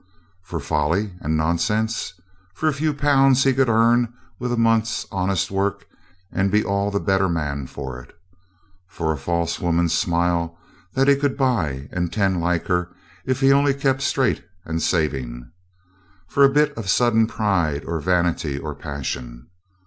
For folly and nonsense. For a few pounds he could earn with a month's honest work and be all the better man for it. For a false woman's smile that he could buy, and ten like her, if he only kept straight and saving. For a bit of sudden pride or vanity or passion.